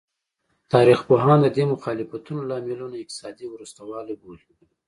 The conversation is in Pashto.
تاریخ پوهان د دې مخالفتونو لاملونه اقتصادي وروسته والی بولي.